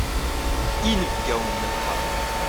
Inebgawen n lḥeṛma.